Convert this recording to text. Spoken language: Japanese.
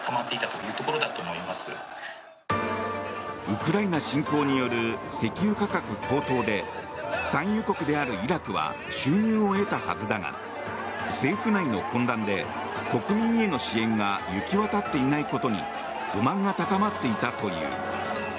ウクライナ侵攻による石油価格高騰で産油国であるイラクは収入を得たはずだが政府内の混乱で国民への支援が行き渡っていないことに不満が高まっていたという。